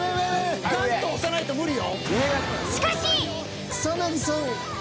ガンと押さないと無理よ。